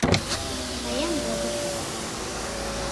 Каен йодышт.